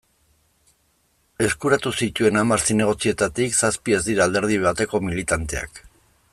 Eskuratu zituen hamar zinegotzietatik, zazpi ez dira alderdi bateko militanteak.